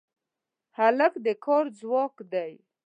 هلک د کار ځواک دی.